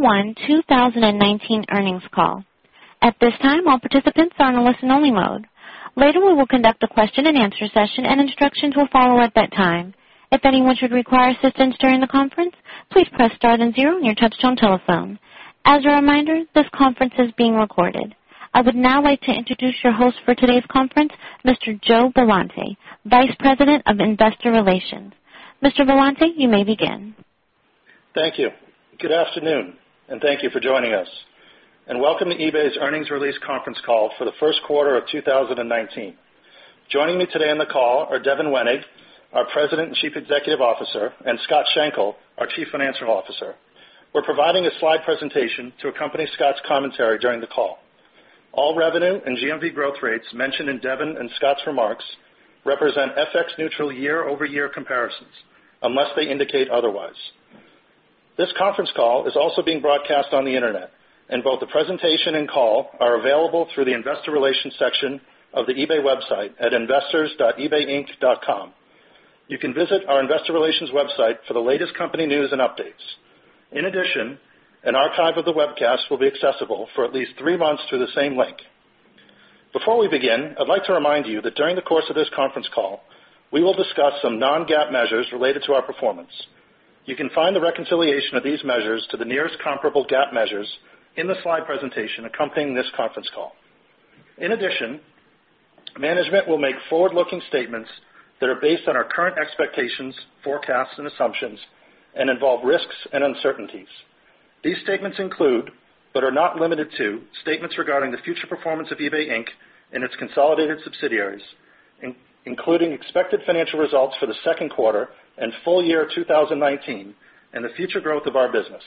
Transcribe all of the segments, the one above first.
Q1 2019 earnings call. At this time, all participants are in a listen-only mode. Later, we will conduct a question and answer session, and instructions will follow at that time. If anyone should require assistance during the conference, please press star 0 on your touchtone telephone. As a reminder, this conference is being recorded. I would now like to introduce your host for today's conference, Mr. Joe Billante, Vice President of Investor Relations. Mr. Billante, you may begin. Thank you. Good afternoon. Thank you for joining us, and welcome to eBay's earnings release conference call for the first quarter of 2019. Joining me today on the call are Devin Wenig, our President and Chief Executive Officer, and Scott Schenkel, our Chief Financial Officer. We're providing a slide presentation to accompany Scott's commentary during the call. All revenue and GMV growth rates mentioned in Devin and Scott's remarks represent FX neutral year-over-year comparisons unless they indicate otherwise. This conference call is also being broadcast on the Internet. Both the presentation and call are available through the investor relations section of the eBay website at investors.ebayinc.com. You can visit our investor relations website for the latest company news and updates. In addition, an archive of the webcast will be accessible for at least three months through the same link. Before we begin, I'd like to remind you that during the course of this conference call, we will discuss some non-GAAP measures related to our performance. You can find the reconciliation of these measures to the nearest comparable GAAP measures in the slide presentation accompanying this conference call. In addition, management will make forward-looking statements that are based on our current expectations, forecasts and assumptions, and involve risks and uncertainties. These statements include, but are not limited to, statements regarding the future performance of eBay Inc. and its consolidated subsidiaries, including expected financial results for the second quarter and full year 2019, and the future growth of our business.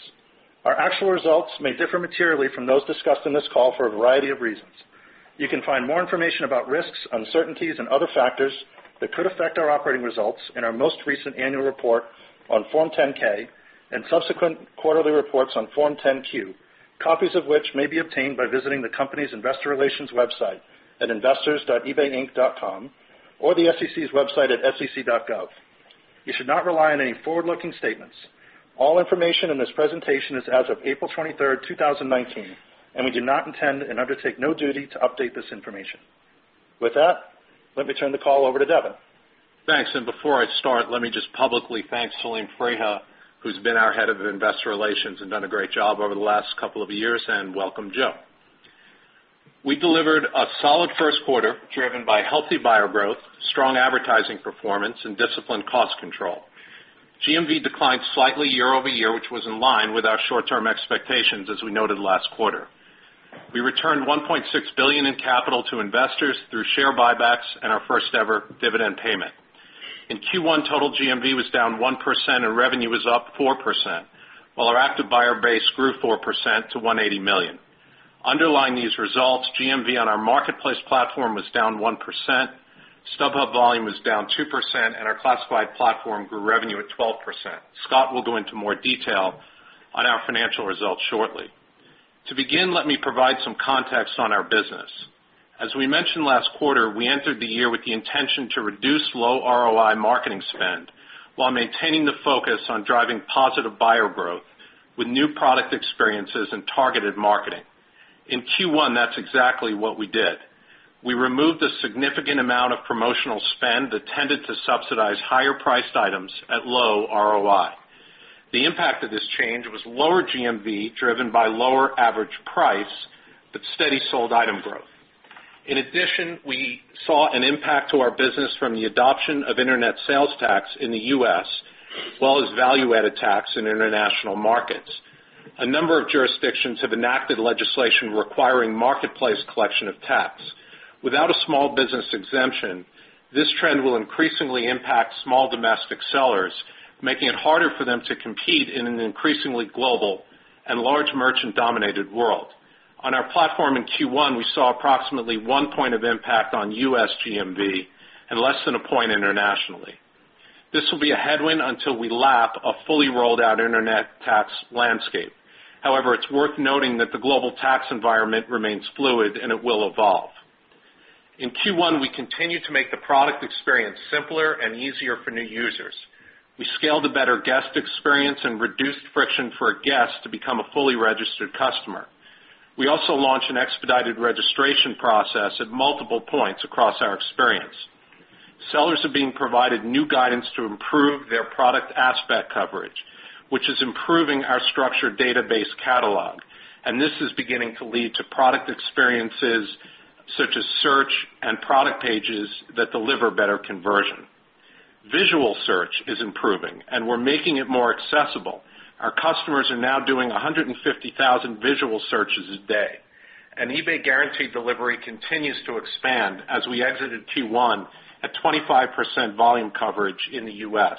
Our actual results may differ materially from those discussed in this call for a variety of reasons. You can find more information about risks, uncertainties, and other factors that could affect our operating results in our most recent annual report on Form 10-K and subsequent quarterly reports on Form 10-Q, copies of which may be obtained by visiting the company's investor relations website at investors.ebayinc.com or the SEC's website at sec.gov. You should not rely on any forward-looking statements. All information in this presentation is as of April 23rd, 2019. We do not intend and undertake no duty to update this information. With that, let me turn the call over to Devin. Thanks. Before I start, let me just publicly thank Selim Freiha, who's been our head of investor relations and done a great job over the last couple of years, and welcome Joe. We delivered a solid first quarter driven by healthy buyer growth, strong advertising performance, and disciplined cost control. GMV declined slightly year-over-year, which was in line with our short-term expectations as we noted last quarter. We returned $1.6 billion in capital to investors through share buybacks and our first-ever dividend payment. In Q1, total GMV was down 1% and revenue was up 4%, while our active buyer base grew 4% to 180 million. Underlying these results, GMV on our marketplace platform was down 1%, StubHub volume was down 2%, and our classified platform grew revenue at 12%. Scott will go into more detail on our financial results shortly. To begin, let me provide some context on our business. As we mentioned last quarter, we entered the year with the intention to reduce low ROI marketing spend while maintaining the focus on driving positive buyer growth with new product experiences and targeted marketing. In Q1, that's exactly what we did. We removed a significant amount of promotional spend that tended to subsidize higher-priced items at low ROI. The impact of this change was lower GMV driven by lower average price but steady sold item growth. In addition, we saw an impact to our business from the adoption of internet sales tax in the U.S. as well as value-added tax in international markets. A number of jurisdictions have enacted legislation requiring marketplace collection of tax. Without a small business exemption, this trend will increasingly impact small domestic sellers, making it harder for them to compete in an increasingly global and large merchant-dominated world. On our platform in Q1, we saw approximately one point of impact on U.S. GMV and less than a point internationally. This will be a headwind until we lap a fully rolled-out internet tax landscape. It's worth noting that the global tax environment remains fluid and it will evolve. In Q1, we continued to make the product experience simpler and easier for new users. We scaled a better guest experience and reduced friction for a guest to become a fully registered customer. We also launched an expedited registration process at multiple points across our experience. Sellers are being provided new guidance to improve their product aspect coverage, which is improving our structured database catalog. This is beginning to lead to product experiences such as search and product pages that deliver better conversion. Visual search is improving, and we're making it more accessible. Our customers are now doing 150,000 visual searches a day, and eBay Guaranteed Delivery continues to expand as we exited Q1 at 25% volume coverage in the U.S.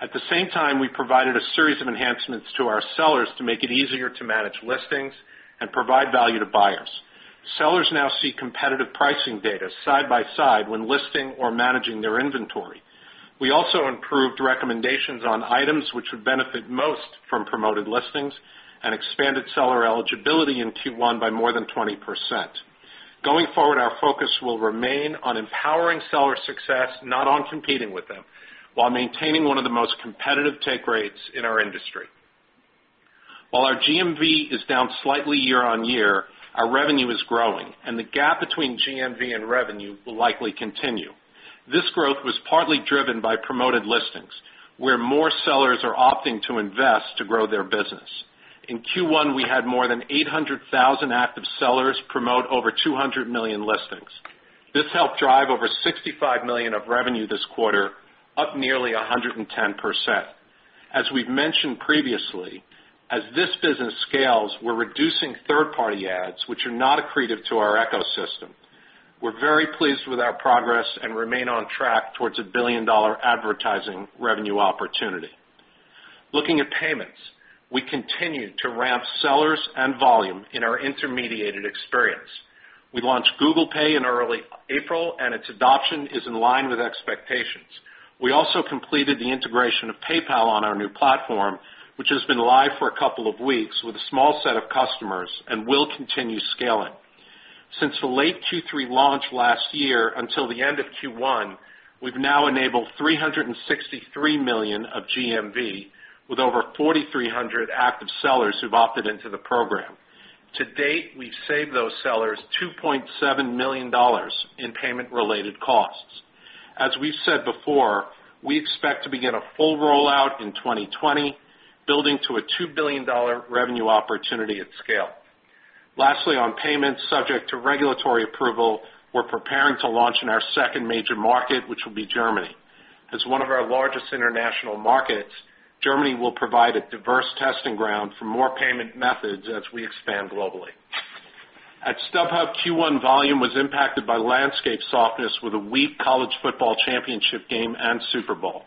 At the same time, we provided a series of enhancements to our sellers to make it easier to manage listings and provide value to buyers. Sellers now see competitive pricing data side by side when listing or managing their inventory. We also improved recommendations on items which would benefit most from Promoted Listings and expanded seller eligibility in Q1 by more than 20%. Going forward, our focus will remain on empowering seller success, not on competing with them, while maintaining one of the most competitive take rates in our industry. While our GMV is down slightly year-on-year, our revenue is growing, and the gap between GMV and revenue will likely continue. This growth was partly driven by Promoted Listings, where more sellers are opting to invest to grow their business. In Q1, we had more than 800,000 active sellers promote over 200 million listings. This helped drive over $65 million of revenue this quarter, up nearly 110%. As we've mentioned previously, as this business scales, we're reducing third-party ads, which are not accretive to our ecosystem. We're very pleased with our progress and remain on track towards a billion-dollar advertising revenue opportunity. Looking at payments, we continue to ramp sellers and volume in our intermediated experience. We launched Google Pay in early April, and its adoption is in line with expectations. We also completed the integration of PayPal on our new platform, which has been live for a couple of weeks with a small set of customers and will continue scaling. Since the late Q3 launch last year until the end of Q1, we've now enabled $363 million of GMV with over 4,300 active sellers who've opted into the program. To date, we've saved those sellers $2.7 million in payment-related costs. As we've said before, we expect to begin a full rollout in 2020, building to a $2 billion revenue opportunity at scale. Lastly, on payments subject to regulatory approval, we're preparing to launch in our second major market, which will be Germany. As one of our largest international markets, Germany will provide a diverse testing ground for more payment methods as we expand globally. At StubHub, Q1 volume was impacted by landscape softness with a weak college football championship game and Super Bowl.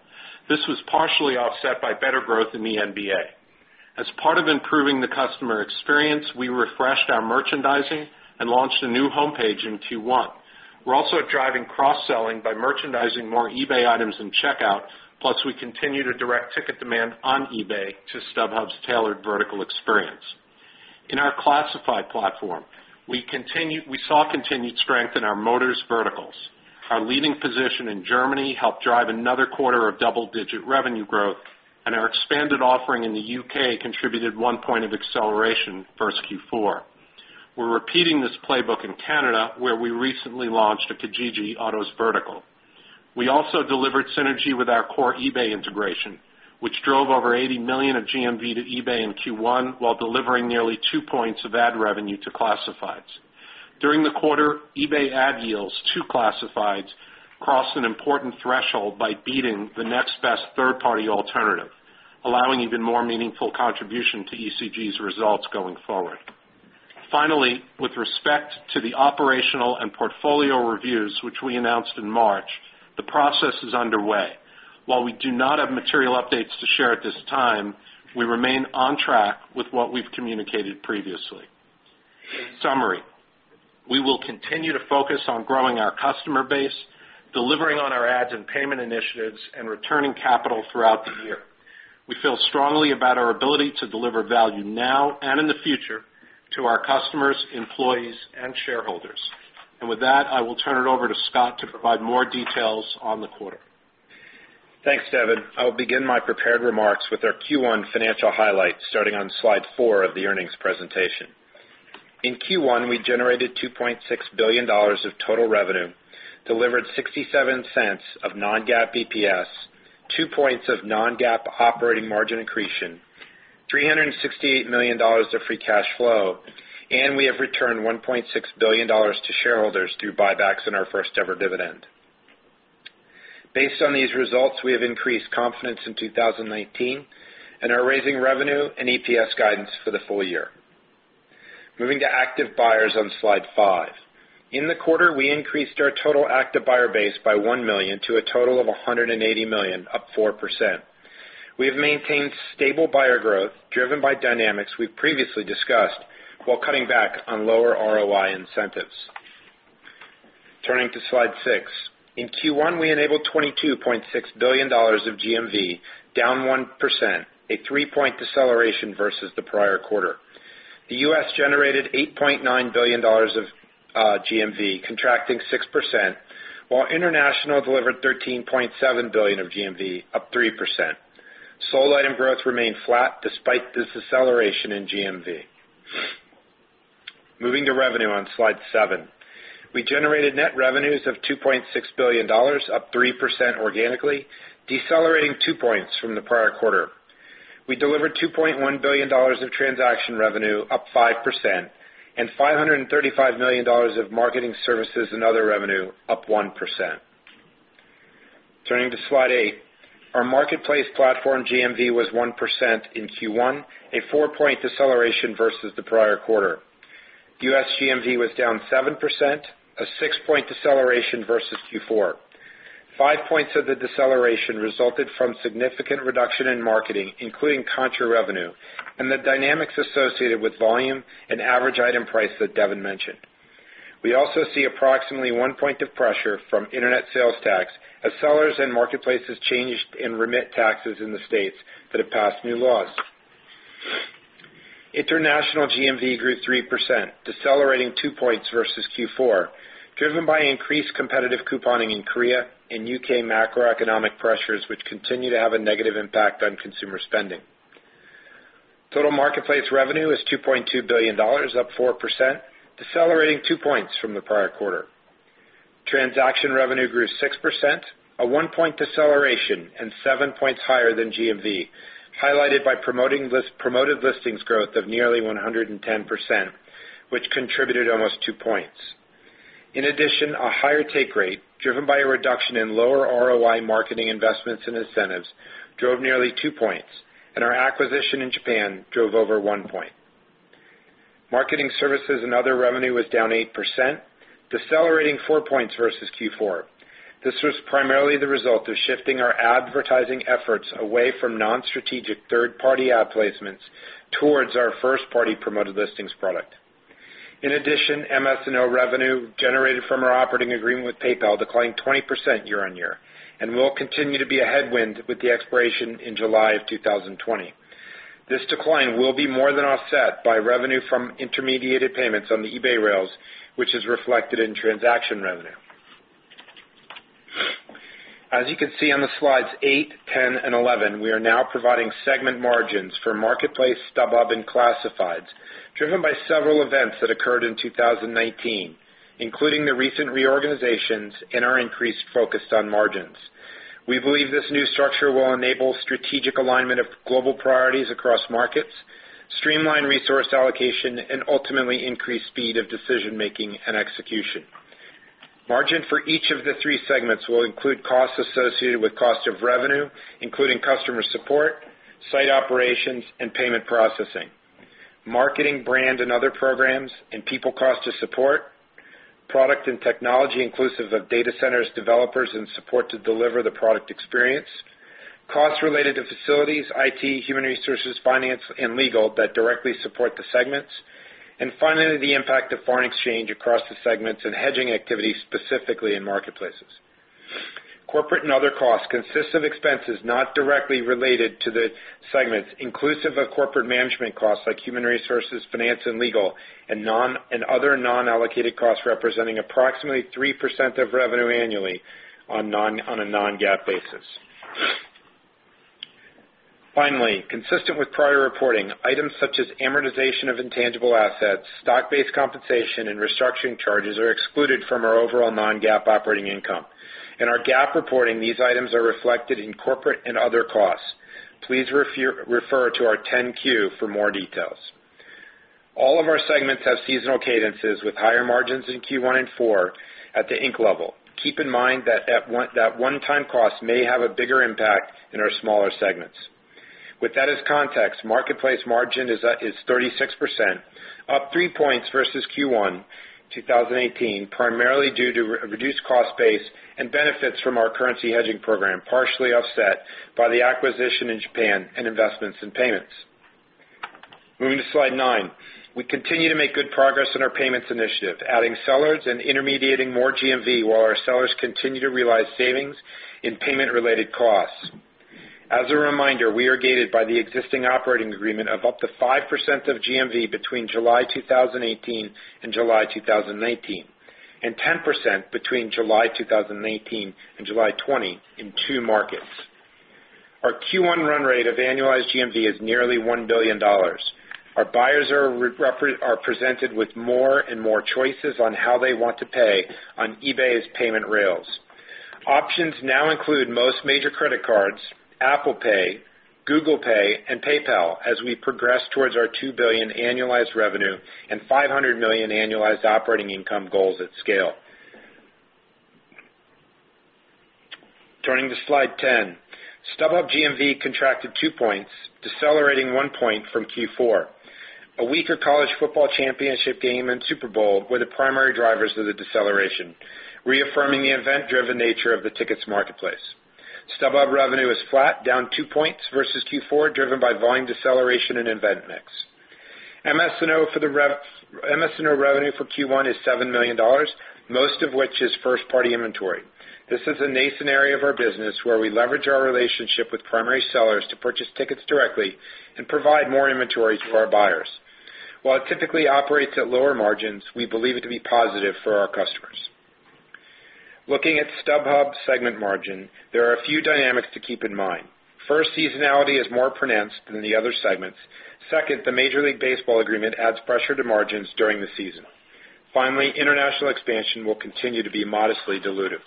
This was partially offset by better growth in the NBA. As part of improving the customer experience, we refreshed our merchandising and launched a new homepage in Q1. We continue to direct ticket demand on eBay to StubHub's tailored vertical experience. In our classified platform, we saw continued strength in our motors verticals. Our leading position in Germany helped drive another quarter of double-digit revenue growth, and our expanded offering in the U.K. contributed one point of acceleration versus Q4. We're repeating this playbook in Canada, where we recently launched a Kijiji Autos vertical. We also delivered synergy with our core eBay integration, which drove over $80 million of GMV to eBay in Q1 while delivering nearly two points of ad revenue to classifieds. During the quarter, eBay ad yields to classifieds crossed an important threshold by beating the next best third-party alternative, allowing even more meaningful contribution to ECG's results going forward. With respect to the operational and portfolio reviews, which we announced in March, the process is underway. We do not have material updates to share at this time, we remain on track with what we've communicated previously. In summary, we will continue to focus on growing our customer base, delivering on our ads and payment initiatives, and returning capital throughout the year. We feel strongly about our ability to deliver value now and in the future to our customers, employees, and shareholders. With that, I will turn it over to Scott to provide more details on the quarter. Thanks, Devin. I'll begin my prepared remarks with our Q1 financial highlights, starting on slide four of the earnings presentation. In Q1, we generated $2.6 billion of total revenue, delivered $0.67 of non-GAAP EPS, two points of non-GAAP operating margin accretion, $368 million of free cash flow, and we have returned $1.6 billion to shareholders through buybacks and our first-ever dividend. Based on these results, we have increased confidence in 2019 and are raising revenue and EPS guidance for the full year. Moving to active buyers on slide five. In the quarter, we increased our total active buyer base by one million to a total of 180 million, up 4%. We have maintained stable buyer growth driven by dynamics we've previously discussed while cutting back on lower ROI incentives. Turning to slide six. In Q1, we enabled $22.6 billion of GMV, down 1%, a three-point deceleration versus the prior quarter. The U.S. generated $8.9 billion of GMV, contracting 6%, while international delivered $13.7 billion of GMV, up 3%. Sold item growth remained flat despite this deceleration in GMV. Moving to revenue on slide seven. We generated net revenues of $2.6 billion, up 3% organically, decelerating two points from the prior quarter. We delivered $2.1 billion of transaction revenue, up 5%, and $535 million of marketing services and other revenue, up 1%. Turning to slide eight. Our marketplace platform GMV was 1% in Q1, a four-point deceleration versus the prior quarter. U.S. GMV was down 7%, a six-point deceleration versus Q4. Five points of the deceleration resulted from significant reduction in marketing, including contra revenue, and the dynamics associated with volume and average item price that Devin mentioned. We also see approximately one point of pressure from internet sales tax as sellers and marketplaces changed and remit taxes in the states that have passed new laws. International GMV grew 3%, decelerating two points versus Q4, driven by increased competitive couponing in Korea and U.K. macroeconomic pressures, which continue to have a negative impact on consumer spending. Total marketplace revenue is $2.2 billion, up 4%, decelerating two points from the prior quarter. Transaction revenue grew 6%, a one-point deceleration and seven points higher than GMV, highlighted by Promoted Listings growth of nearly 110%, which contributed almost two points. In addition, a higher take rate, driven by a reduction in lower ROI marketing investments and incentives, drove nearly two points, and our acquisition in Japan drove over one point. Marketing services and other revenue was down 8%, decelerating four points versus Q4. This was primarily the result of shifting our advertising efforts away from non-strategic third-party ad placements towards our first-party Promoted Listings product. In addition, MS&O revenue generated from our operating agreement with PayPal declined 20% year-on-year, and will continue to be a headwind with the expiration in July of 2020. This decline will be more than offset by revenue from intermediated payments on the eBay rails, which is reflected in transaction revenue. As you can see on the slides eight, 10, and 11, we are now providing segment margins for Marketplace, StubHub, and Classifieds, driven by several events that occurred in 2019, including the recent reorganizations and our increased focus on margins. We believe this new structure will enable strategic alignment of global priorities across markets, streamline resource allocation, and ultimately increase speed of decision-making and execution. Margin for each of the three segments will include costs associated with cost of revenue, including customer support, site operations, and payment processing. Marketing brand and other programs, and people cost to support, product and technology inclusive of data centers, developers, and support to deliver the product experience, costs related to facilities, IT, human resources, finance, and legal that directly support the segments, finally, the impact of foreign exchange across the segments and hedging activity, specifically in Marketplaces. Corporate and other costs consist of expenses not directly related to the segments, inclusive of corporate management costs like human resources, finance and legal, and other non-allocated costs representing approximately 3% of revenue annually on a non-GAAP basis. Finally, consistent with prior reporting, items such as amortization of intangible assets, stock-based compensation, and restructuring charges are excluded from our overall non-GAAP operating income. In our GAAP reporting, these items are reflected in corporate and other costs. Please refer to our 10-Q for more details. All of our segments have seasonal cadences with higher margins in Q1 and Q4 at the inc level. Keep in mind that one-time cost may have a bigger impact in our smaller segments. With that as context, Marketplace margin is 36%, up three points versus Q1 2018, primarily due to reduced cost base and benefits from our currency hedging program, partially offset by the acquisition in Japan and investments in payments. Moving to slide nine. We continue to make good progress on our payments initiative, adding sellers and intermediating more GMV while our sellers continue to realize savings in payment-related costs. As a reminder, we are gated by the existing operating agreement of up to 5% of GMV between July 2018 and July 2019, and 10% between July 2018 and July 2020 in two markets. Our Q1 run rate of annualized GMV is nearly $1 billion. Our buyers are presented with more and more choices on how they want to pay on eBay's payment rails. Options now include most major credit cards, Apple Pay, Google Pay, and PayPal as we progress towards our $2 billion annualized revenue and $500 million annualized operating income goals at scale. Turning to slide 10. StubHub GMV contracted two points, decelerating one point from Q4. A weaker college football championship game and Super Bowl were the primary drivers of the deceleration, reaffirming the event-driven nature of the tickets marketplace. StubHub revenue is flat, down two points versus Q4, driven by volume deceleration and event mix. MS&O revenue for Q1 is $7 million, most of which is first-party inventory. This is a nascent area of our business where we leverage our relationship with primary sellers to purchase tickets directly and provide more inventory for our buyers. While it typically operates at lower margins, we believe it to be positive for our customers. Looking at StubHub segment margin, there are a few dynamics to keep in mind. First, seasonality is more pronounced than the other segments. Second, the Major League Baseball agreement adds pressure to margins during the season. Finally, international expansion will continue to be modestly dilutive.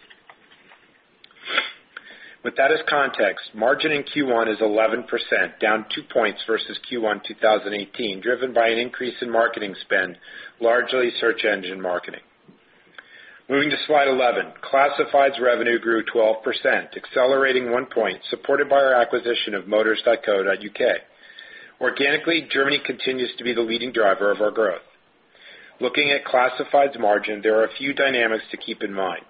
With that as context, margin in Q1 is 11%, down two points versus Q1 2018, driven by an increase in marketing spend, largely search engine marketing. Moving to slide 11. Classifieds revenue grew 12%, accelerating one point, supported by our acquisition of motors.co.uk. Organically, Germany continues to be the leading driver of our growth. Looking at Classifieds margin, there are a few dynamics to keep in mind.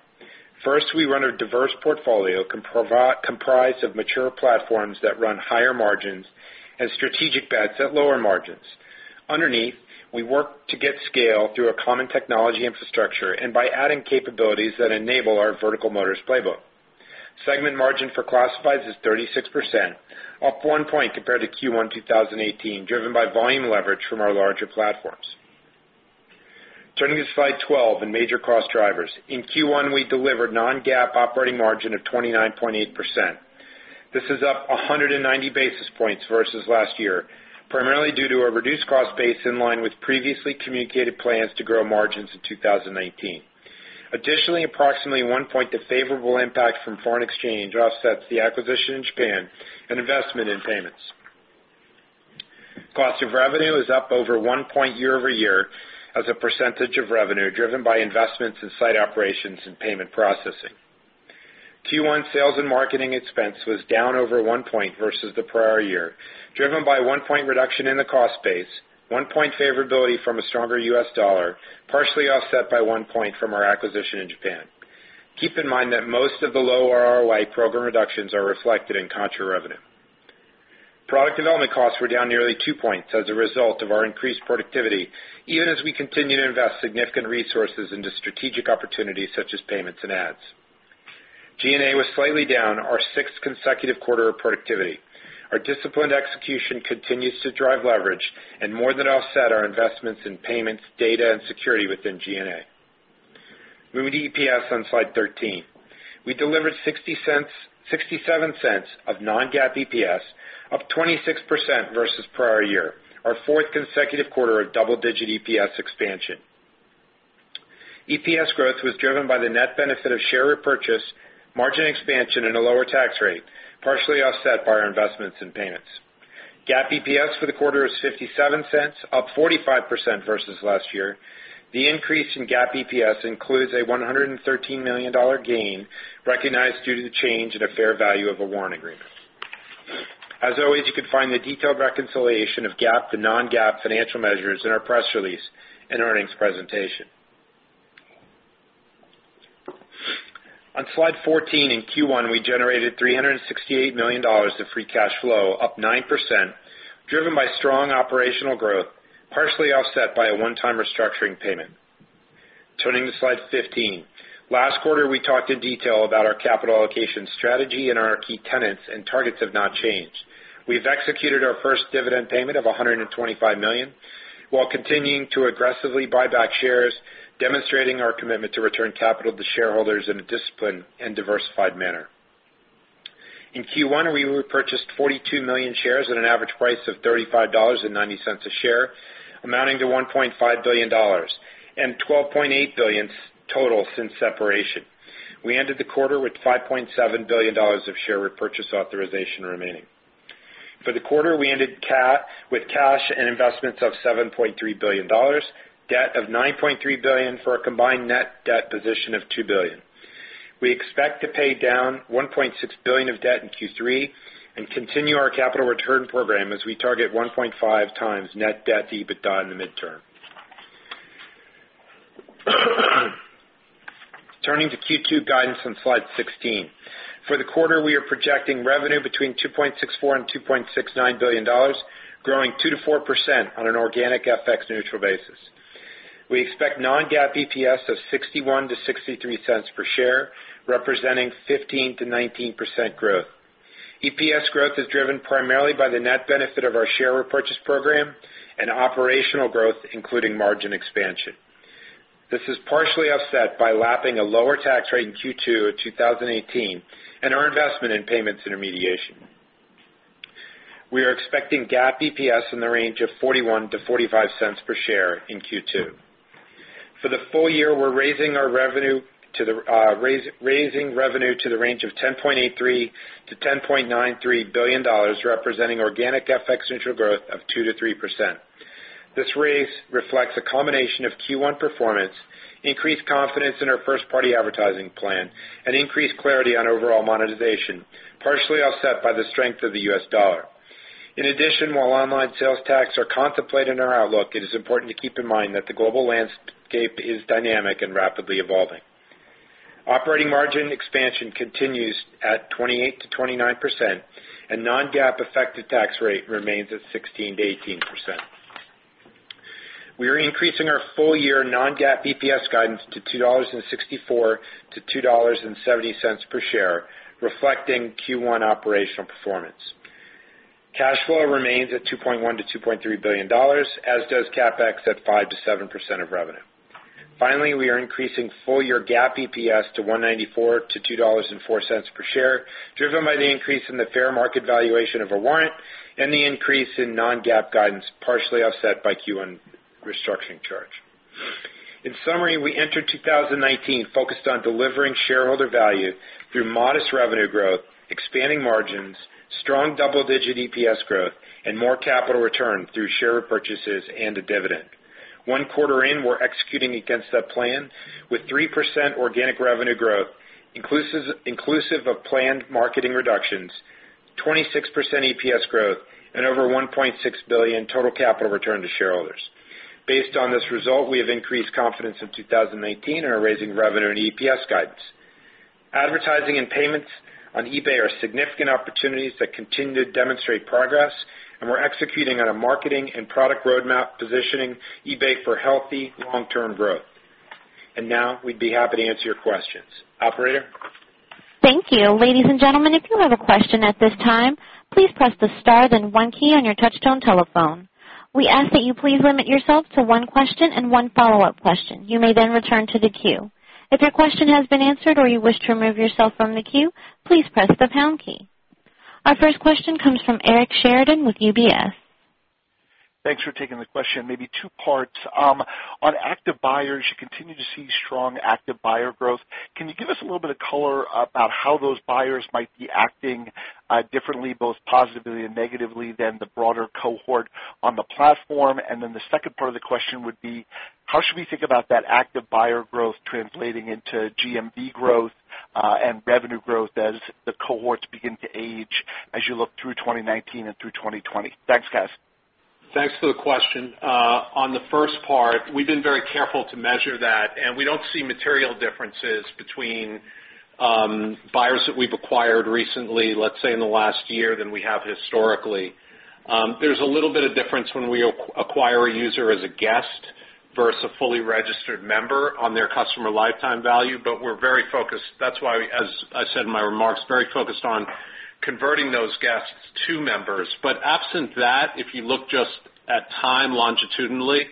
First, we run a diverse portfolio comprised of mature platforms that run higher margins and strategic bets at lower margins. Underneath, we work to get scale through a common technology infrastructure and by adding capabilities that enable our vertical motors playbook. Segment margin for classifieds is 36%, up one point compared to Q1 2018, driven by volume leverage from our larger platforms. Turning to slide 12 in major cost drivers. In Q1, we delivered non-GAAP operating margin of 29.8%. This is up 190 basis points versus last year, primarily due to a reduced cost base in line with previously communicated plans to grow margins in 2019. Additionally, approximately one point the favorable impact from foreign exchange offsets the acquisition in Japan and investment in payments. Cost of revenue is up over one point year-over-year as a percentage of revenue driven by investments in site operations and payment processing. Q1 sales and marketing expense was down over one point versus the prior year, driven by one point reduction in the cost base, one point favorability from a stronger U.S. dollar, partially offset by one point from our acquisition in Japan. Keep in mind that most of the lower ROI program reductions are reflected in contra revenue. Product development costs were down nearly two points as a result of our increased productivity, even as we continue to invest significant resources into strategic opportunities such as payments and ads. G&A was slightly down, our sixth consecutive quarter of productivity. Our disciplined execution continues to drive leverage and more than offset our investments in payments, data, and security within G&A. Moving to EPS on slide 13. We delivered $0.67 of non-GAAP EPS, up 26% versus prior year, our fourth consecutive quarter of double-digit EPS expansion. EPS growth was driven by the net benefit of share repurchase, margin expansion, and a lower tax rate, partially offset by our investments in payments. GAAP EPS for the quarter was $0.57, up 45% versus last year. The increase in GAAP EPS includes a $113 million gain recognized due to the change in the fair value of a warrant agreement. As always, you can find the detailed reconciliation of GAAP to non-GAAP financial measures in our press release and earnings presentation. On slide 14, in Q1, we generated $368 million to free cash flow, up 9%, driven by strong operational growth, partially offset by a one-time restructuring payment. Turning to slide 15. Last quarter, we talked in detail about our capital allocation strategy and our key tenets and targets have not changed. We've executed our first dividend payment of $125 million while continuing to aggressively buy back shares, demonstrating our commitment to return capital to shareholders in a disciplined and diversified manner. In Q1, we repurchased 42 million shares at an average price of $35.90 a share, amounting to $1.5 billion and $12.8 billion total since separation. We ended the quarter with $5.7 billion of share repurchase authorization remaining. For the quarter, we ended with cash and investments of $7.3 billion, debt of $9.3 billion for a combined net debt position of $2 billion. We expect to pay down $1.6 billion of debt in Q3 and continue our capital return program as we target 1.5 times net debt to EBITDA in the midterm. Turning to Q2 guidance on slide 16. For the quarter, we are projecting revenue between $2.64 billion and $2.69 billion, growing 2%-4% on an organic FX neutral basis. We expect non-GAAP EPS of $0.61-$0.63 per share, representing 15%-19% growth. EPS growth is driven primarily by the net benefit of our share repurchase program and operational growth, including margin expansion. This is partially offset by lapping a lower tax rate in Q2 of 2018 and our investment in payments intermediation. We are expecting GAAP EPS in the range of $0.41-$0.45 per share in Q2. For the full year, we're raising revenue to the range of $10.83 billion-$10.93 billion, representing organic FX neutral growth of 2%-3%. This raise reflects a combination of Q1 performance, increased confidence in our first-party advertising plan, and increased clarity on overall monetization, partially offset by the strength of the U.S. dollar. In addition, while online sales tax are contemplated in our outlook, it is important to keep in mind that the global landscape is dynamic and rapidly evolving. Operating margin expansion continues at 28%-29%, and non-GAAP effective tax rate remains at 16%-18%. We are increasing our full-year non-GAAP EPS guidance to $2.64-$2.70 per share, reflecting Q1 operational performance. Cash flow remains at $2.1 billion-$2.3 billion, as does CapEx at 5%-7% of revenue. Finally, we are increasing full-year GAAP EPS to $1.94-$2.04 per share, driven by the increase in the fair market valuation of a warrant and the increase in non-GAAP guidance, partially offset by Q1 restructuring charge. In summary, we entered 2019 focused on delivering shareholder value through modest revenue growth, expanding margins, strong double-digit EPS growth, and more capital return through share repurchases and a dividend. One quarter in, we're executing against that plan with 3% organic revenue growth inclusive of planned marketing reductions, 26% EPS growth, and over $1.6 billion total capital return to shareholders. Based on this result, we have increased confidence in 2019 and are raising revenue and EPS guidance. Advertising and payments on eBay are significant opportunities that continue to demonstrate progress, and we're executing on a marketing and product roadmap positioning eBay for healthy long-term growth. Now we'd be happy to answer your questions. Operator? Thank you. Ladies and gentlemen, if you have a question at this time, please press the star then one key on your touch-tone telephone. We ask that you please limit yourself to one question and one follow-up question. You may then return to the queue. If your question has been answered or you wish to remove yourself from the queue, please press the pound key. Our first question comes from Eric Sheridan with UBS. Thanks for taking the question. Maybe two parts. On active buyers, you continue to see strong active buyer growth. Can you give us a little bit of color about how those buyers might be acting differently, both positively and negatively than the broader cohort on the platform? The second part of the question would be, how should we think about that active buyer growth translating into GMV growth and revenue growth as the cohorts begin to age as you look through 2019 and through 2020? Thanks, guys. Thanks for the question. On the first part, we've been very careful to measure that, we don't see material differences between buyers that we've acquired recently, let's say, in the last year than we have historically. There's a little bit of difference when we acquire a user as a guest versus a fully registered member on their customer lifetime value, but we're very focused. That's why, as I said in my remarks, very focused on converting those guests to members. Absent that, if you look just at time longitudinally,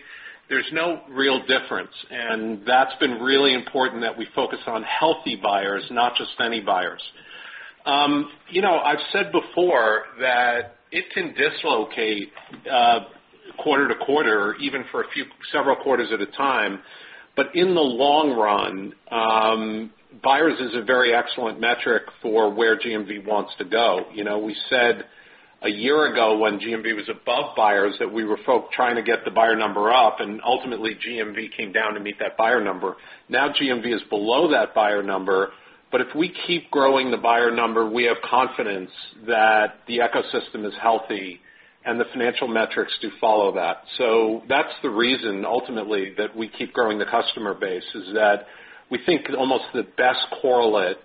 there's no real difference. That's been really important that we focus on healthy buyers, not just any buyers. I've said before that it can dislocate quarter to quarter, even for a few several quarters at a time. In the long run, buyers is a very excellent metric for where GMV wants to go. We said a year ago when GMV was above buyers that we were folk trying to get the buyer number up, ultimately GMV came down to meet that buyer number. Now GMV is below that buyer number. If we keep growing the buyer number, we have confidence that the ecosystem is healthy and the financial metrics do follow that. That's the reason, ultimately, that we keep growing the customer base, is that we think almost the best correlate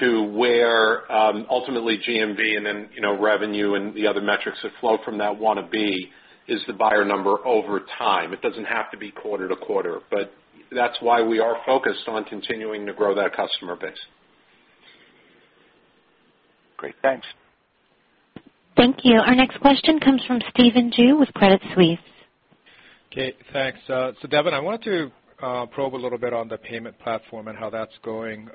to where ultimately GMV, revenue and the other metrics that flow from that want to be is the buyer number over time. It doesn't have to be quarter to quarter, that's why we are focused on continuing to grow that customer base. Great. Thanks. Thank you. Our next question comes from Stephen Ju with Credit Suisse. Okay, thanks. Devin, I wanted to probe a little bit on the payment platform and how that's going.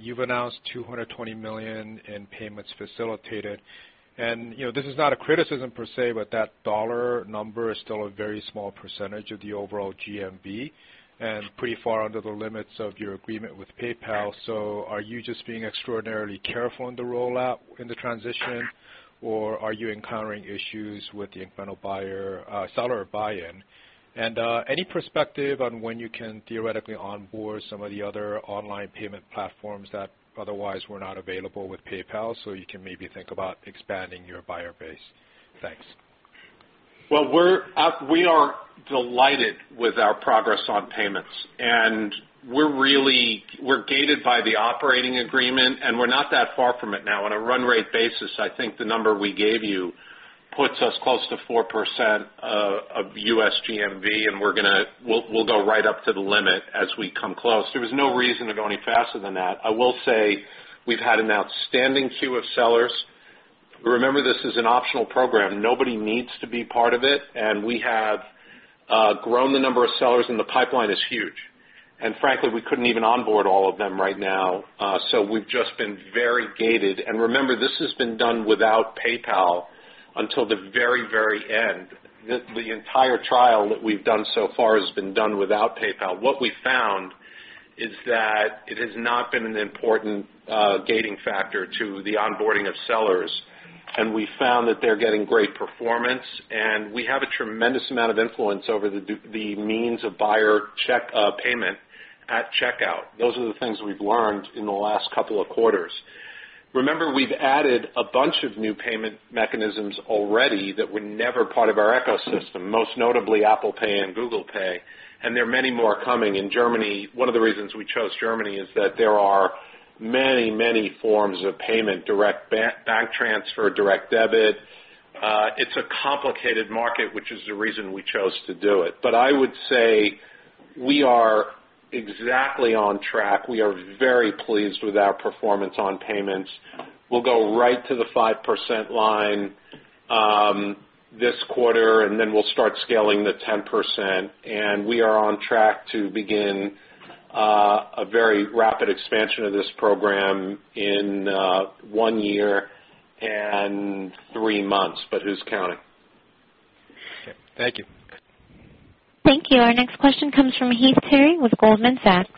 You've announced $220 million in payments facilitated. This is not a criticism per se, but that dollar number is still a very small percentage of the overall GMV and pretty far under the limits of your agreement with PayPal. Are you just being extraordinarily careful in the rollout in the transition, or are you encountering issues with the incremental seller buy-in? Any perspective on when you can theoretically onboard some of the other online payment platforms that otherwise were not available with PayPal so you can maybe think about expanding your buyer base? Thanks. Well, we are delighted with our progress on payments. We're gated by the operating agreement, and we're not that far from it now. On a run rate basis, I think the number we gave you puts us close to 4% of U.S. GMV. We'll go right up to the limit as we come close. There was no reason to go any faster than that. I will say we've had an outstanding queue of sellers. Remember, this is an optional program. Nobody needs to be part of it. We have grown the number of sellers. The pipeline is huge. Frankly, we couldn't even onboard all of them right now. We've just been very gated. Remember, this has been done without PayPal until the very end. The entire trial that we've done so far has been done without PayPal. What we found is that it has not been an important gating factor to the onboarding of sellers, and we found that they're getting great performance, and we have a tremendous amount of influence over the means of buyer payment at checkout. Those are the things we've learned in the last couple of quarters. We've added a bunch of new payment mechanisms already that were never part of our ecosystem, most notably Apple Pay and Google Pay, and there are many more coming in Germany. One of the reasons we chose Germany is that there are many forms of payment, direct bank transfer, direct debit. It's a complicated market, which is the reason we chose to do it. I would say we are exactly on track. We are very pleased with our performance on payments. We'll go right to the 5% line this quarter, and then we'll start scaling to 10%, and we are on track to begin a very rapid expansion of this program in one year and three months, but who's counting? Okay. Thank you. Thank you. Our next question comes from Heath Terry with Goldman Sachs.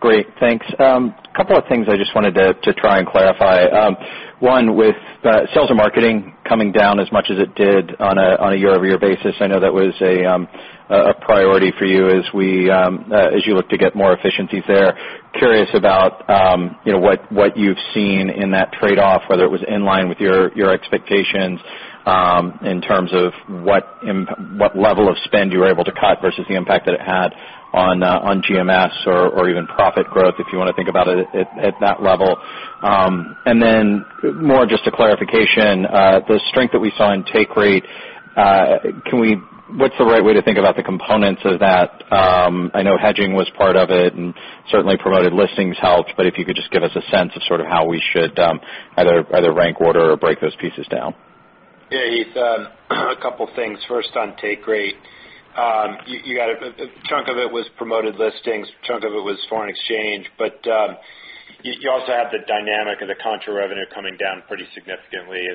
Great. Thanks. Couple of things I just wanted to try and clarify. One, with sales and marketing coming down as much as it did on a year-over-year basis, I know that was a priority for you as you look to get more efficiencies there. Curious about what you've seen in that trade-off, whether it was in line with your expectations in terms of what level of spend you were able to cut versus the impact that it had on GMV or even profit growth, if you want to think about it at that level. More just a clarification. The strength that we saw in take rate What's the right way to think about the components of that? I know hedging was part of it, and certainly Promoted Listings helped, but if you could just give us a sense of how we should either rank order or break those pieces down. Yeah, Heath. A couple things. First, on take rate. A chunk of it was Promoted Listings, a chunk of it was foreign exchange. You also have the dynamic of the contra revenue coming down pretty significantly.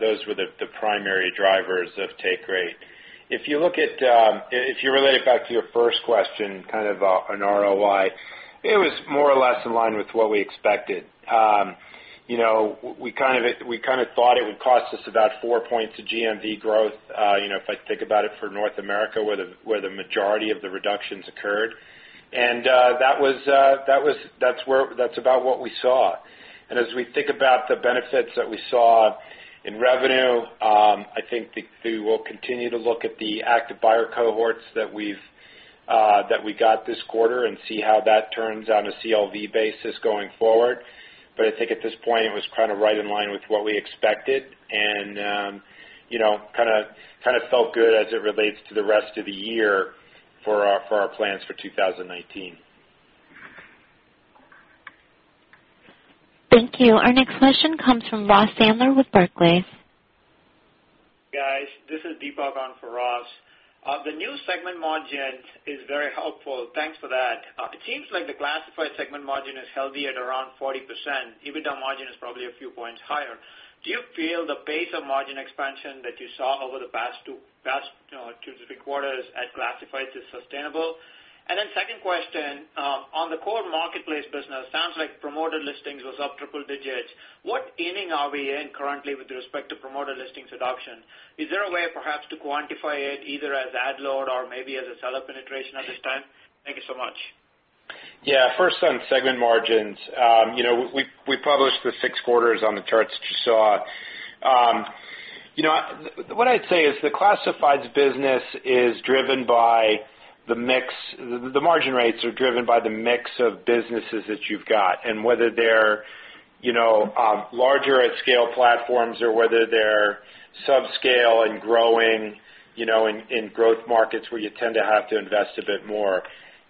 Those were the primary drivers of take rate. If you relate it back to your first question, kind of an ROI, it was more or less in line with what we expected. We thought it would cost us about four points of GMV growth, if I think about it for North America, where the majority of the reductions occurred. That's about what we saw. As we think about the benefits that we saw in revenue, I think we will continue to look at the active buyer cohorts that we got this quarter and see how that turns on a CLV basis going forward. I think at this point, it was right in line with what we expected and felt good as it relates to the rest of the year for our plans for 2019. Thank you. Our next question comes from Ross Sandler with Barclays. Guys, this is Deepak on for Ross. The new segment margin is very helpful. Thanks for that. It seems like the classified segment margin is healthy at around 40%. EBITDA margin is probably a few points higher. Do you feel the pace of margin expansion that you saw over the past two to three quarters at classifieds is sustainable? Second question, on the core marketplace business, sounds like Promoted Listings was up triple digits. What inning are we in currently with respect to Promoted Listings adoption? Is there a way perhaps to quantify it either as ad load or maybe as a seller penetration at this time? Thank you so much. Yeah. First on segment margins. We published the 6 quarters on the charts that you saw. What I'd say is the classifieds business is driven by the mix. The margin rates are driven by the mix of businesses that you've got, and whether they're larger at scale platforms or whether they're sub-scale and growing in growth markets where you tend to have to invest a bit more.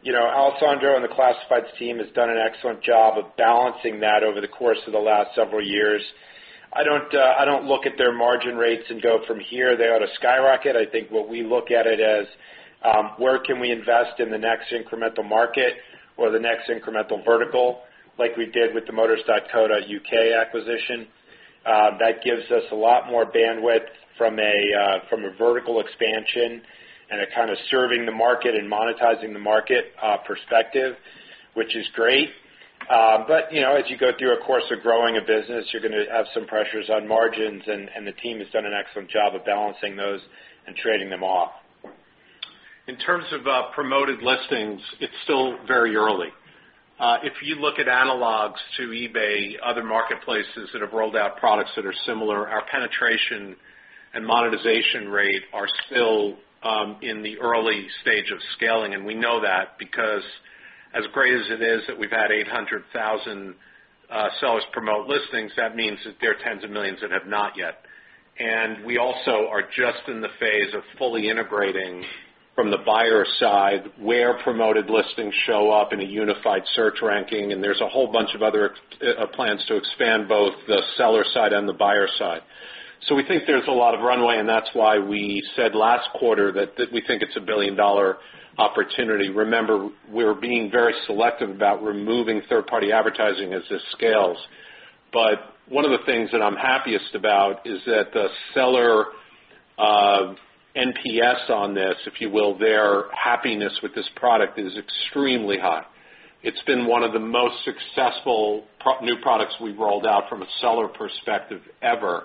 Alessandro and the classifieds team has done an excellent job of balancing that over the course of the last several years. I don't look at their margin rates and go from here, they ought to skyrocket. I think what we look at it as, where can we invest in the next incremental market or the next incremental vertical, like we did with the motors.co.uk acquisition. That gives us a lot more bandwidth from a vertical expansion and a kind of serving the market and monetizing the market perspective, which is great. As you go through a course of growing a business, you're going to have some pressures on margins, and the team has done an excellent job of balancing those and trading them off. In terms of Promoted Listings, it's still very early. If you look at analogs to eBay, other marketplaces that have rolled out products that are similar, our penetration and monetization rate are still in the early stage of scaling. We know that because as great as it is that we've had 800,000 sellers promote listings, that means that there are tens of millions that have not yet. We also are just in the phase of fully integrating from the buyer side, where Promoted Listings show up in a unified search ranking. There's a whole bunch of other plans to expand both the seller side and the buyer side. We think there's a lot of runway, and that's why we said last quarter that we think it's a billion-dollar opportunity. Remember, we're being very selective about removing third-party advertising as this scales. One of the things that I'm happiest about is that the seller NPS on this, if you will, their happiness with this product is extremely high. It's been one of the most successful new products we've rolled out from a seller perspective ever.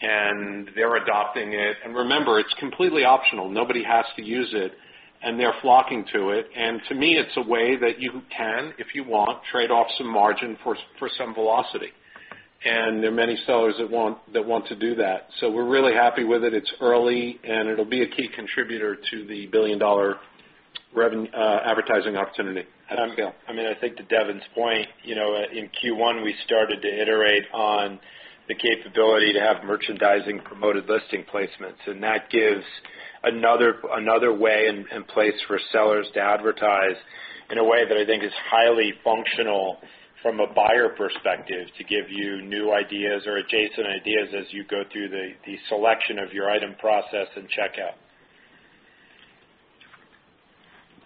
They're adopting it. Remember, it's completely optional. Nobody has to use it. They're flocking to it. To me, it's a way that you can, if you want, trade off some margin for some velocity. There are many sellers that want to do that. We're really happy with it. It's early, and it'll be a key contributor to the billion-dollar advertising opportunity. I think to Devin's point, in Q1, we started to iterate on the capability to have merchandising Promoted Listings placements. That gives another way and place for sellers to advertise in a way that I think is highly functional from a buyer perspective to give you new ideas or adjacent ideas as you go through the selection of your item process and checkout.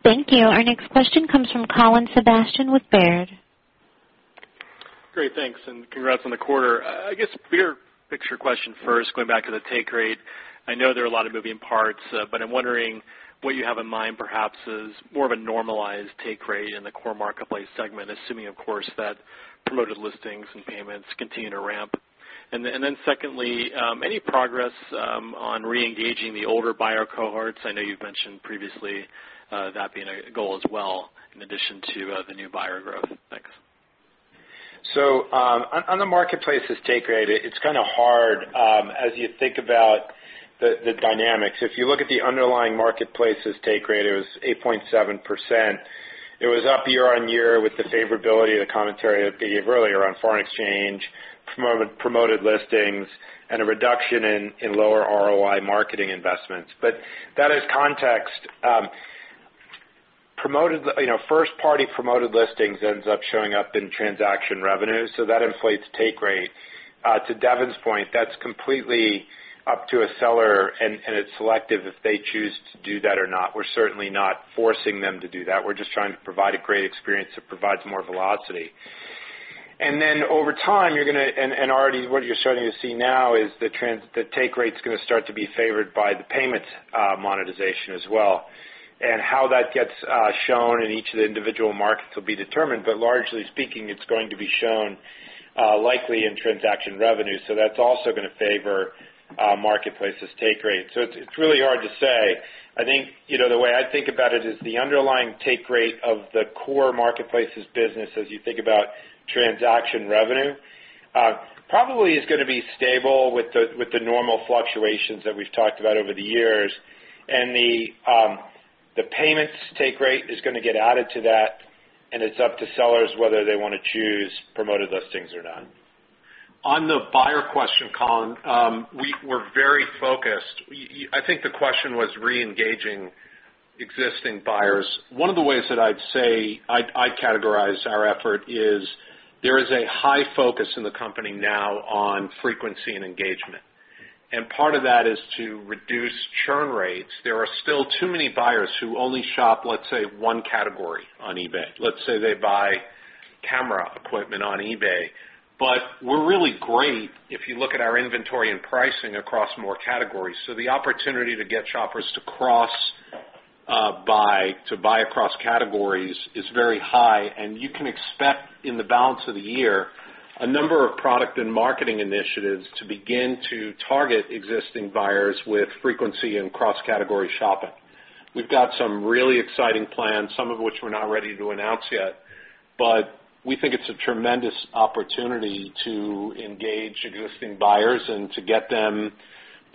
Thank you. Our next question comes from Colin Sebastian with Baird. Great. Thanks, and congrats on the quarter. I guess bigger picture question first, going back to the take rate. I know there are a lot of moving parts, but I'm wondering what you have in mind perhaps is more of a normalized take rate in the core marketplace segment, assuming, of course, that Promoted Listings and payments continue to ramp. Secondly, any progress on re-engaging the older buyer cohorts? I know you've mentioned previously that being a goal as well in addition to the new buyer growth. Thanks. On the marketplace's take rate, it's kind of hard as you think about the dynamics. If you look at the underlying marketplace's take rate, it was 8.7%. It was up year-on-year with the favorability of the commentary that they gave earlier on foreign exchange, Promoted Listings, and a reduction in lower ROI marketing investments. That is context. First-party Promoted Listings ends up showing up in transaction revenue, so that inflates take rate. To Devin's point, that's completely up to a seller, and it's selective if they choose to do that or not. We're certainly not forcing them to do that. We're just trying to provide a great experience that provides more velocity. Over time, and already what you're starting to see now is the take rate's going to start to be favored by the payments monetization as well. How that gets shown in each of the individual markets will be determined, but largely speaking, it's going to be shown likely in transaction revenue. That's also going to favor marketplaces take rate. It's really hard to say. I think the way I think about it is the underlying take rate of the core marketplaces business as you think about transaction revenue, probably is going to be stable with the normal fluctuations that we've talked about over the years. The payments take rate is going to get added to that, and it's up to sellers whether they want to choose Promoted Listings or not. On the buyer question, Colin, we're very focused. I think the question was reengaging existing buyers. One of the ways that I'd say I'd categorize our effort is there is a high focus in the company now on frequency and engagement, and part of that is to reduce churn rates. There are still too many buyers who only shop, let's say, one category on eBay. Let's say they buy camera equipment on eBay. We're really great if you look at our inventory and pricing across more categories. The opportunity to get shoppers to buy across categories is very high, and you can expect in the balance of the year, a number of product and marketing initiatives to begin to target existing buyers with frequency and cross-category shopping. We've got some really exciting plans, some of which we're not ready to announce yet. We think it's a tremendous opportunity to engage existing buyers and to get them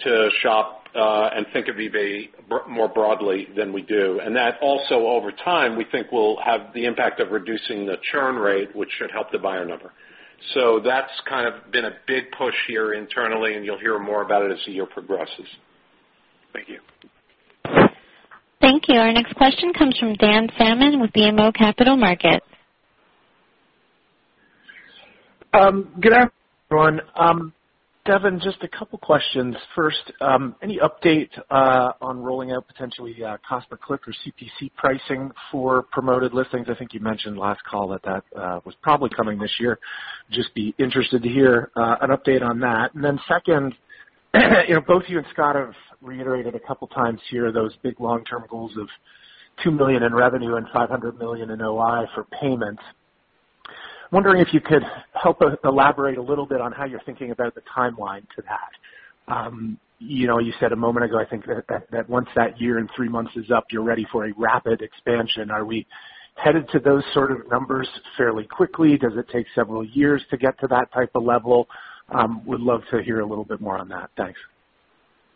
to shop, and think of eBay more broadly than we do. That also, over time, we think will have the impact of reducing the churn rate, which should help the buyer number. That's kind of been a big push here internally, and you'll hear more about it as the year progresses. Thank you. Thank you. Our next question comes from Dan Salmon with BMO Capital Markets. Good afternoon. Devin, just a couple questions. First, any update on rolling out potentially cost per click or CPC pricing for Promoted Listings? I think you mentioned last call that that was probably coming this year. Just be interested to hear an update on that. Second, both you and Scott have reiterated a couple times here those big long-term goals of $2 billion in revenue and $500 million in OI for payments. I'm wondering if you could help elaborate a little bit on how you're thinking about the timeline to that. You said a moment ago, I think that once that year and three months is up, you're ready for a rapid expansion. Are we headed to those sorts of numbers fairly quickly? Does it take several years to get to that type of level? Would love to hear a little bit more on that. Thanks.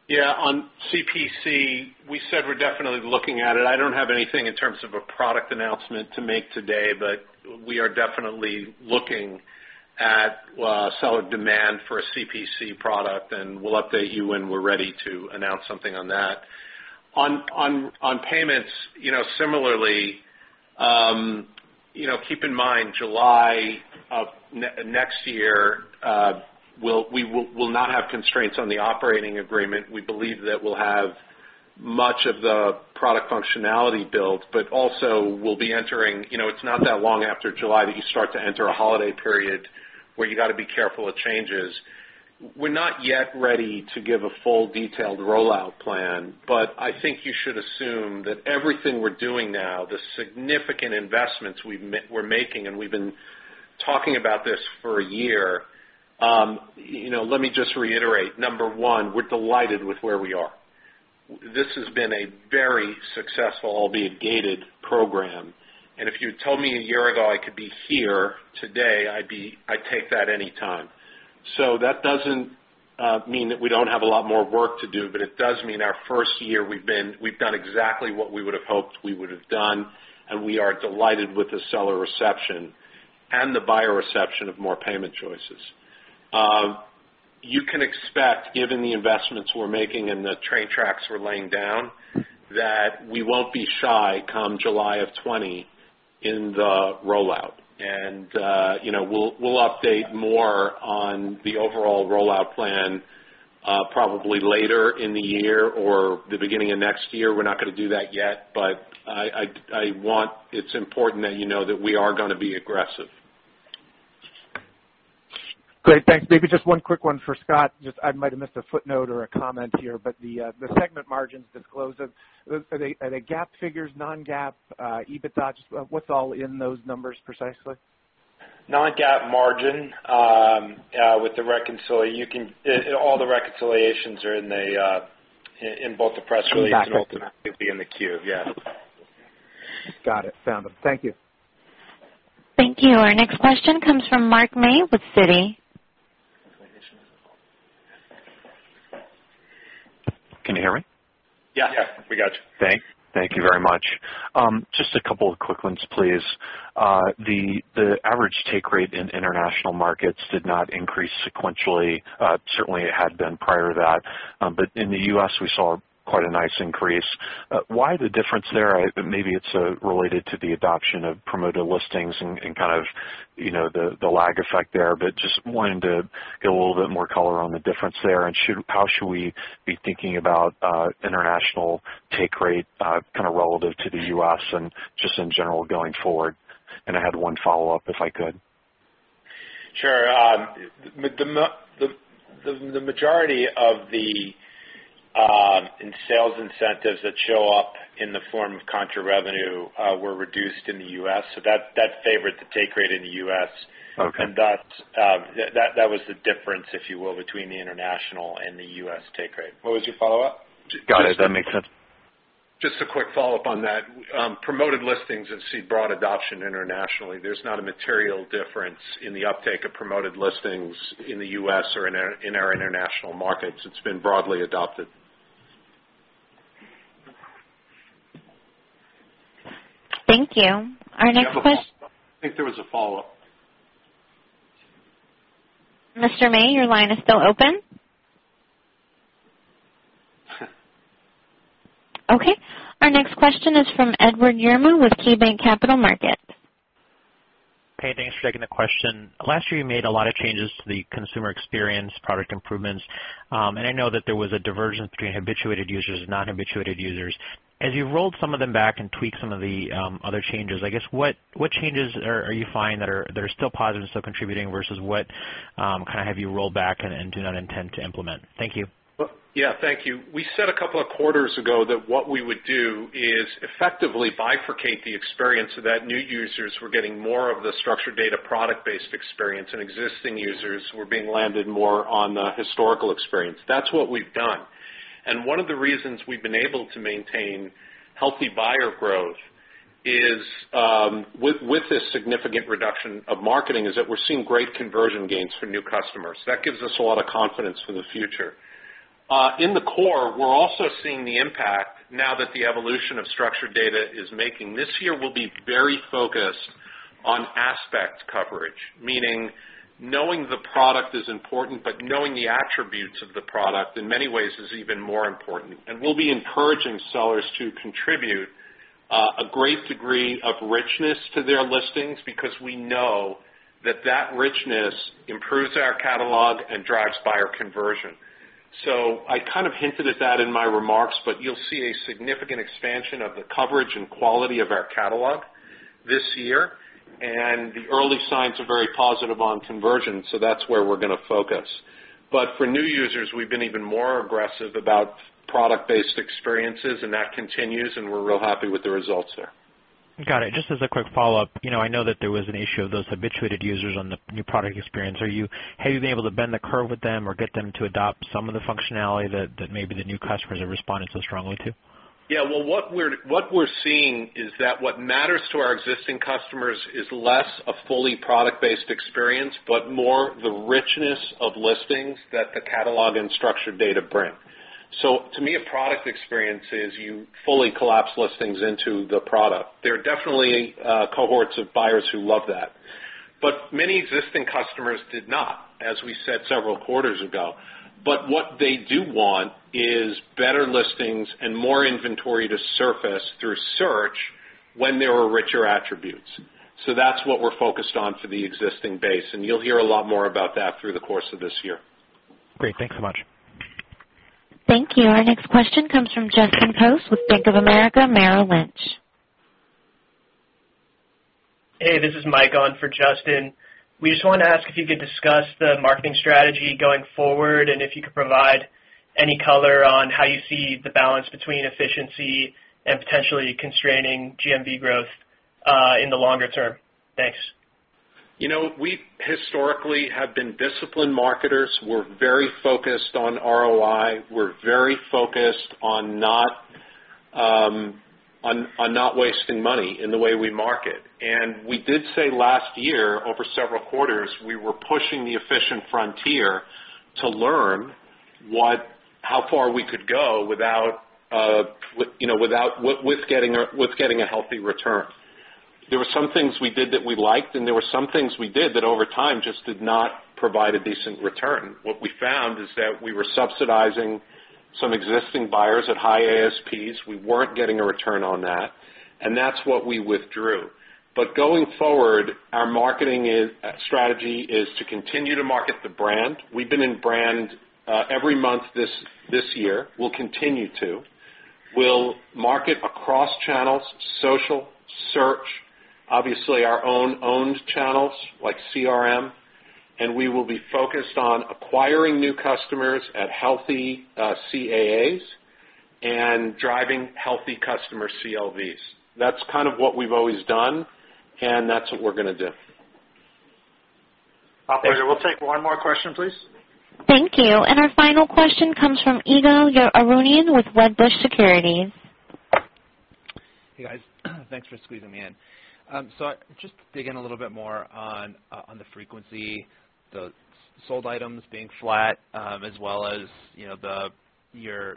Yeah. On CPC, we said we're definitely looking at it. I don't have anything in terms of a product announcement to make today, but we are definitely looking at seller demand for a CPC product, and we'll update you when we're ready to announce something on that. On payments, similarly, keep in mind July of next year, we will not have constraints on the operating agreement. We believe that we'll have much of the product functionality built. It's not that long after July that you start to enter a holiday period where you got to be careful with changes. We're not yet ready to give a full detailed rollout plan, but I think you should assume that everything we're doing now, the significant investments we're making, and we've been talking about this for a year. Let me just reiterate, number one, we're delighted with where we are. This has been a very successful, albeit gated, program. If you told me a year ago I could be here today, I'd take that anytime. That doesn't mean that we don't have a lot more work to do, but it does mean our first year we've done exactly what we would have hoped we would have done, and we are delighted with the seller reception and the buyer reception of more payment choices. You can expect, given the investments we're making and the train tracks we're laying down, that we won't be shy come July of 2020 in the rollout. We'll update more on the overall rollout plan probably later in the year or the beginning of next year. We're not going to do that yet, but it's important that you know that we are going to be aggressive. Great. Thanks. Maybe just one quick one for Scott. I might have missed a footnote or a comment here, but the segment margins disclosed, are they GAAP figures, non-GAAP EBITDA? Just what's all in those numbers precisely? Non-GAAP margin, all the reconciliations are in both the press release and ultimately in the 10-Q, yeah. Got it. Found them. Thank you. Thank you. Our next question comes from Mark May with Citi. Can you hear me? Yeah. We got you. Thank you very much. Just a couple of quick ones, please. The average take rate in international markets did not increase sequentially. Certainly it had been prior to that. In the U.S., we saw quite a nice increase. Why the difference there? Maybe it's related to the adoption of Promoted Listings and kind of the lag effect there, but just wanting to get a little bit more color on the difference there. How should we be thinking about international take rate kind of relative to the U.S. and just in general going forward? I had one follow-up, if I could. Sure. The majority of the sales incentives that show up in the form of contra revenue were reduced in the U.S. That favored the take rate in the U.S. Okay. That was the difference, if you will, between the international and the U.S. take rate. What was your follow-up? Got it. That makes sense. Just a quick follow-up on that. Promoted Listings have seen broad adoption internationally. There's not a material difference in the uptake of Promoted Listings in the U.S. or in our international markets. It's been broadly adopted. Thank you. Our next question. I think there was a follow-up. Mr. May, your line is still open. Our next question is from Edward Yruma with KeyBanc Capital Markets. Hey, thanks for taking the question. Last year, you made a lot of changes to the consumer experience, product improvements. I know that there was a divergence between habituated users and non-habituated users. As you rolled some of them back and tweaked some of the other changes, I guess, what changes are you finding that are still positive and still contributing versus what kind of have you rolled back and do not intend to implement? Thank you. Yeah. Thank you. We said a couple of quarters ago that what we would do is effectively bifurcate the experience so that new users were getting more of the structured data product-based experience, and existing users were being landed more on the historical experience. That's what we've done. One of the reasons we've been able to maintain healthy buyer growth with this significant reduction of marketing, is that we're seeing great conversion gains for new customers. That gives us a lot of confidence for the future. In the core, we're also seeing the impact now that the evolution of structured data is making. This year, we'll be very focused on aspect coverage, meaning knowing the product is important, but knowing the attributes of the product, in many ways, is even more important. We'll be encouraging sellers to contribute a great degree of richness to their listings because we know that that richness improves our catalog and drives buyer conversion. I kind of hinted at that in my remarks, you'll see a significant expansion of the coverage and quality of our catalog this year, and the early signs are very positive on conversion. That's where we're going to focus. For new users, we've been even more aggressive about product-based experiences, and that continues, and we're real happy with the results there. Got it. Just as a quick follow-up, I know that there was an issue of those habituated users on the new product experience. Have you been able to bend the curve with them or get them to adopt some of the functionality that maybe the new customers have responded so strongly to? Yeah. Well, what we're seeing is that what matters to our existing customers is less a fully product-based experience, but more the richness of listings that the catalog and structured data bring. To me, a product experience is you fully collapse listings into the product. There are definitely cohorts of buyers who love that. Many existing customers did not, as we said several quarters ago. What they do want is better listings and more inventory to surface through search when there are richer attributes. That's what we're focused on for the existing base, and you'll hear a lot more about that through the course of this year. Great. Thanks so much. Thank you. Our next question comes from Justin Post with Bank of America Merrill Lynch. Hey, this is Mike on for Justin. We just want to ask if you could discuss the marketing strategy going forward and if you could provide any color on how you see the balance between efficiency and potentially constraining GMV growth in the longer term. Thanks. We historically have been disciplined marketers. We're very focused on ROI. We're very focused on not wasting money in the way we market. We did say last year, over several quarters, we were pushing the efficient frontier to learn how far we could go with getting a healthy return. There were some things we did that we liked, and there were some things we did that over time just did not provide a decent return. What we found is that we were subsidizing some existing buyers at high ASPs. We weren't getting a return on that, and that's what we withdrew. Going forward, our marketing strategy is to continue to market the brand. We've been in brand every month this year. We'll continue to. We'll market across channels, social, search, obviously our own owned channels like CRM, and we will be focused on acquiring new customers at healthy CACs and driving healthy customer CLVs. That's kind of what we've always done, and that's what we're going to do. Operator, we'll take one more question, please. Thank you. Our final question comes from Youssef Squali with Rosenblatt Securities. Hey guys. Thanks for squeezing me in. Just to dig in a little bit more on the frequency, the sold items being flat, as well as your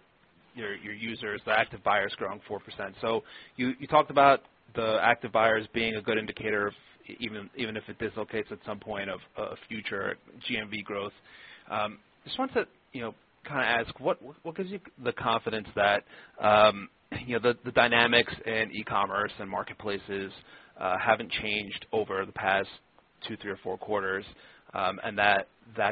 users, the active buyers growing 4%. You talked about the active buyers being a good indicator, even if it dislocates at some point of future GMV growth. Just wanted to ask, what gives you the confidence that the dynamics in e-commerce and marketplaces haven't changed over the past two, three, or four quarters, and that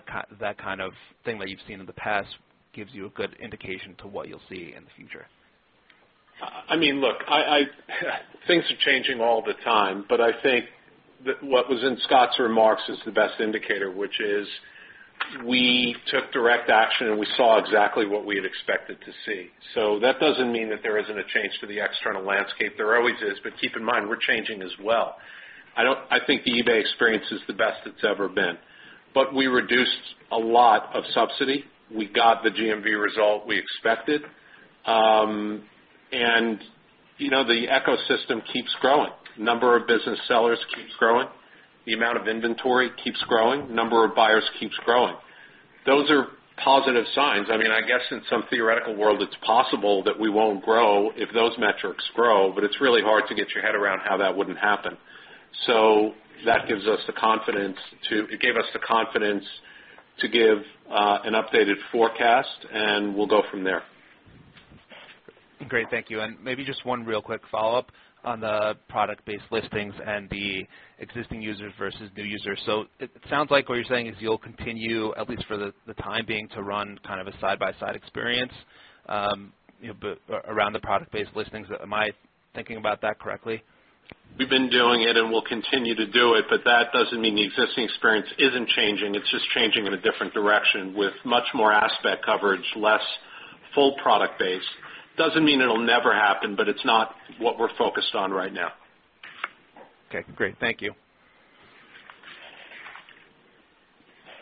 kind of thing that you've seen in the past gives you a good indication to what you'll see in the future? Look, things are changing all the time, but I think that what was in Scott's remarks is the best indicator, which is we took direct action, and we saw exactly what we had expected to see. That doesn't mean that there isn't a change to the external landscape. There always is, but keep in mind, we're changing as well. I think the eBay experience is the best it's ever been. We reduced a lot of subsidy. We got the GMV result we expected. The ecosystem keeps growing. Number of business sellers keeps growing. The amount of inventory keeps growing. Number of buyers keeps growing. Those are positive signs. I guess in some theoretical world, it's possible that we won't grow if those metrics grow, it's really hard to get your head around how that wouldn't happen. That gave us the confidence to give an updated forecast, we'll go from there. Great, thank you. Maybe just one real quick follow-up on the product-based listings and the existing users versus new users. It sounds like what you're saying is you'll continue, at least for the time being, to run kind of a side-by-side experience around the product-based listings. Am I thinking about that correctly? We've been doing it, and we'll continue to do it, but that doesn't mean the existing experience isn't changing. It's just changing in a different direction with much more aspect coverage, less full product base. Doesn't mean it'll never happen, but it's not what we're focused on right now. Okay, great. Thank you.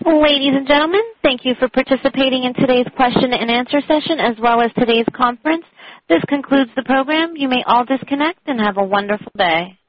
Ladies and gentlemen, thank you for participating in today's question and answer session, as well as today's conference. This concludes the program. You may all disconnect, and have a wonderful day.